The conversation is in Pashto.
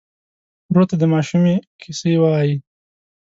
ورور ته د ماشومۍ کیسې وایې.